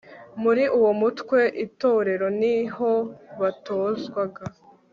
muri uwo mutwe (itorero) ni ho batozwaga